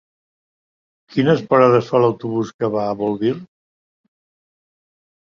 Quines parades fa l'autobús que va a Bolvir?